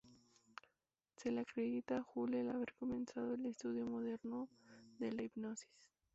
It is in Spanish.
Se le acredita a Hull el haber comenzado el estudio moderno de la hipnosis.